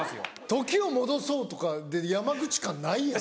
「時を戻そう」とか山口感ないやん！